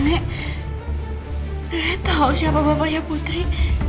nek tahu siapa bapak ya putri